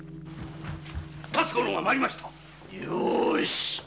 辰五郎が参りましたよし。